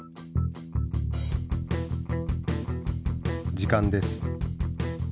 時間です。